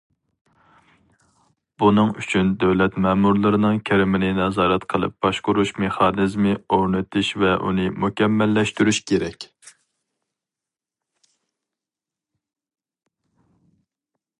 بۇنىڭ ئۈچۈن دۆلەت مەمۇرلىرىنىڭ كىرىمىنى نازارەت قىلىپ باشقۇرۇش مېخانىزمى ئورنىتىش ۋە ئۇنى مۇكەممەللەشتۈرۈش كېرەك.